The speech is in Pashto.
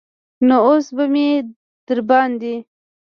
نو اوس به مې درباندې.